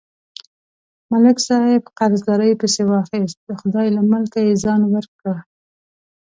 ملک صاحب قرضدارۍ پسې واخیست، د خدای له ملکه یې ځان ورک کړ.